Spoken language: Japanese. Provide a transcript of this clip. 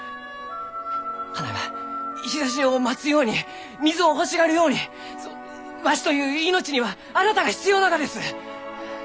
花が日ざしを待つように水を欲しがるようにわしという命にはあなたが必要ながです！